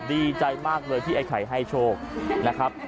ดีใจมากเลยที่ไอ้ไข่ให้โชคนะครับ